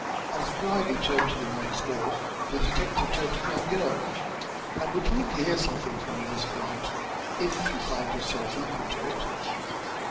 As Brierly turned toward them once more the detective turned to the young girl. "I would like to hear something from you, Miss Grant, if you find yourself equal to it."